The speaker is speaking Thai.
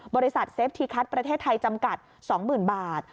เฟฟทีคัทประเทศไทยจำกัด๒๐๐๐บาท